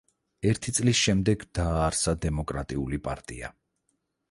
ერთი წლის შემდეგ დააარსა დემოკრატიული პარტია.